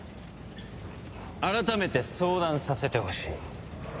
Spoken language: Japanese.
改めて相談させてほしい。